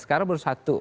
sekarang baru satu